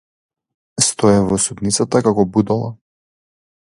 Стоев во судницата како будала.